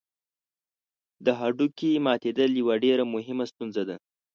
د هډوکي ماتېدل یوه ډېره مهمه ستونزه ده.